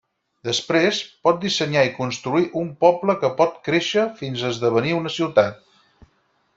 Després, pot dissenyar i construir un poble que pot créixer fins a esdevenir una ciutat.